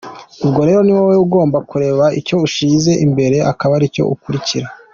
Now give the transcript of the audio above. Ubwo rero ni wowe ugomba kureba icyo ushyize imbere akaba aricyo ukurikira.